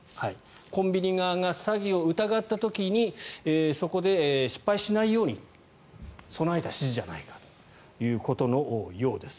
コンビニ側が詐欺を疑った時にそこで失敗しないように備えた指示じゃないかということのようです。